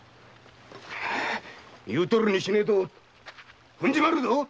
言うとおりにしねえとふん縛るぞ！